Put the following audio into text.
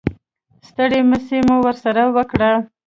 ستړې مسې مو ورسره وکړه.